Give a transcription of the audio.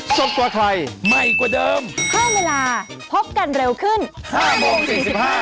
น้ำกล้าว่ากันไป